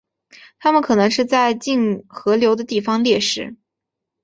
它们可能是在近河流的地方猎食。